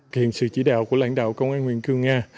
hiện sự chỉ đạo của lãnh đạo công an huyện cương nga